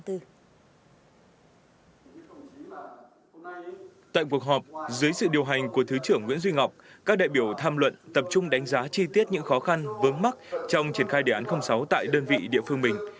tại cuộc họp dưới sự điều hành của thứ trưởng nguyễn duy ngọc các đại biểu tham luận tập trung đánh giá chi tiết những khó khăn vướng mắt trong triển khai đề án sáu tại đơn vị địa phương mình